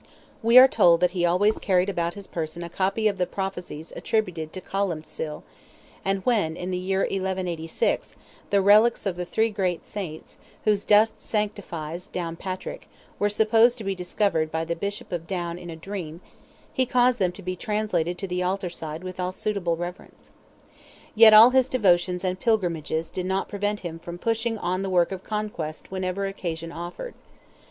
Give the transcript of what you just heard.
We are told that he always carried about his person a copy of the prophecies attributed to Columbcille, and when, in the year 1186, the relics of the three great saints, whose dust sanctifies Downpatrick, were supposed to be discovered by the Bishop of Down in a dream, he caused them to be translated to the altar side with all suitable reverence. Yet all his devotions and pilgrimages did not prevent him from pushing on the work of conquest whenever occasion offered.